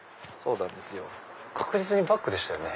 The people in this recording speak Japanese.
確実にバッグでしたよね。